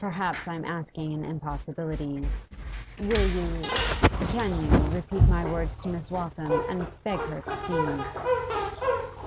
Perhaps I am asking an impossibility. Will you can you repeat my words to Miss Waltham, and beg her to see me?